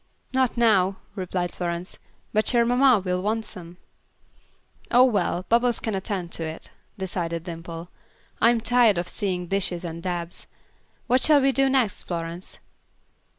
"Not now," replied Florence; "but your mamma will want some." "Oh, well, Bubbles can attend to it," decided Dimple. "I'm tired of seeing dishes and dabs. What shall we do next, Florence?"